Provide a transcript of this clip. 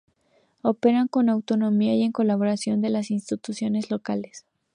Operan con autonomía y en colaboración con las instituciones locales.